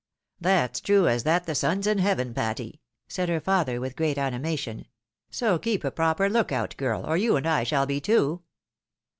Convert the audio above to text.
" That's true as that the sun's in heaven, Patty," said her father, with great animation ; "so keep a proper look out girl, or you and I shall be two."